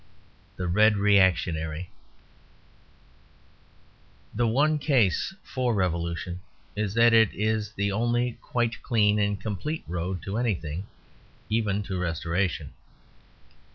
THE RED REACTIONARY The one case for Revolution is that it is the only quite clean and complete road to anything even to restoration.